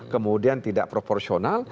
kemudian tidak proporsional